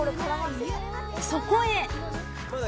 ［そこへ］